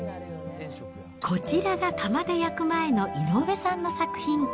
こちらが窯で焼く前の井上さんの作品。